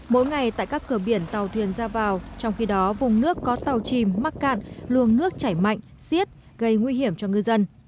mỗi ngày tại các cửa biển tàu thuyền ra vào trong khi đó vùng nước có tàu chìm mắc cạn luồng nước chảy mạnh xiết gây nguy hiểm cho ngư dân